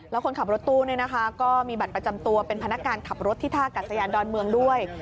แล้วคนขับรถตู้ก็มีบัตรประจำตัวเป็นพนักงานขับรถที่ท่ากัดสยานดอนเมืองด้วย